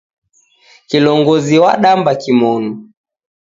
Kilongozi w'adamba kimonu